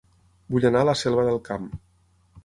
Vull anar a La Selva del Camp